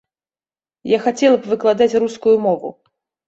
Я хацела б выкладаць рускую мову.